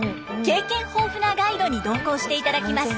経験豊富なガイドに同行して頂きます。